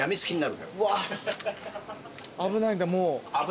うわ危ないんだもう。